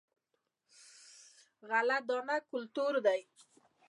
غله دانه کلتور دی.